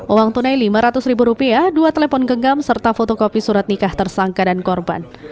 uang tunai lima ratus ribu rupiah dua telepon genggam serta fotokopi surat nikah tersangka dan korban